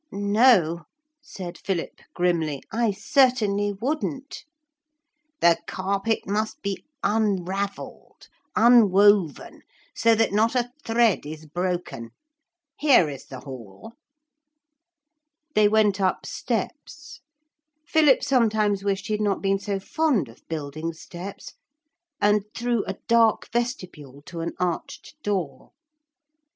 'No,' said Philip grimly, 'I certainly shouldn't.' 'The carpet must be unravelled, unwoven, so that not a thread is broken. Here is the hall.' They went up steps Philip sometimes wished he had not been so fond of building steps and through a dark vestibule to an arched door.